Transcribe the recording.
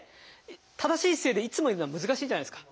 正しい姿勢でいつもいるのは難しいじゃないですか。